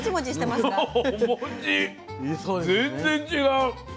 全然違う。